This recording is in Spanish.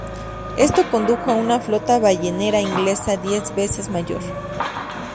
Esto condujo a una flota ballenera inglesa diez veces mayor.